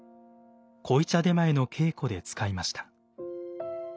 濃茶点前の稽古で使いました。